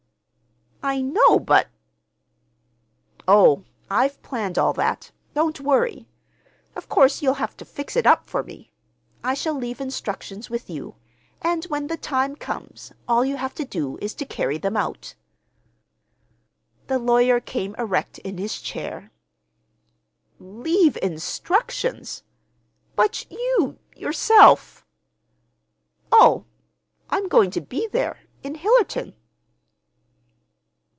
"I know; but—" "Oh, I've planned all that. Don't worry. Of course you'll have to fix it up for me. I shall leave instructions with you, and when the time comes all you have to do is to carry them out." The lawyer came erect in his chair. "Leave instructions! But you, yourself—?" "Oh, I'm going to be there, in Hillerton."